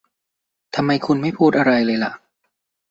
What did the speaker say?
ทำไมคุณไม่พูดอะไรเลยล่ะ